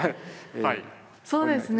そうですね